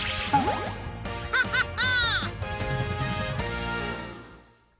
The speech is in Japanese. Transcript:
ハハハ！